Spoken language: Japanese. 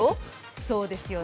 そうですよね。